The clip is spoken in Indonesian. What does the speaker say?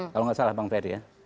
kalau nggak salah bang ferry ya